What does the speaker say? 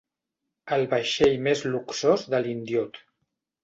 El vaixell més luxós de l'indiot.